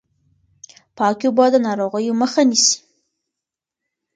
پاکې اوبه د ناروغیو مخه نيسي.